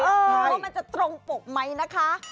ว่ามันจะตรงปกไหมนะคะ